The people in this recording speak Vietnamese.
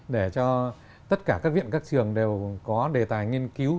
để cho tất cả các viện các trường đều có đề tài nghiên cứu